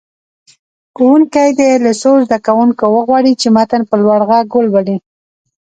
ښوونکی دې له څو زده کوونکو وغواړي چې متن په لوړ غږ ولولي.